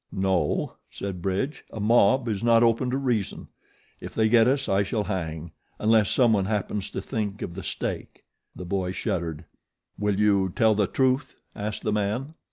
"No," said Bridge. "A mob is not open to reason. If they get us I shall hang, unless someone happens to think of the stake." The boy shuddered. "Will you tell the truth?" asked the man.